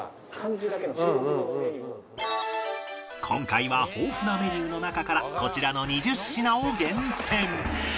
今回は豊富なメニューの中からこちらの２０品を厳選